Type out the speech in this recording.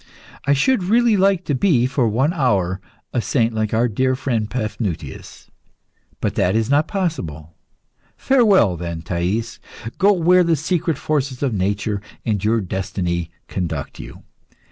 I should really like to be for one hour, a saint like our dear friend Paphnutius. But that is not possible. Farewell, then, Thais! Go where the secret forces of nature and your destiny conduct you!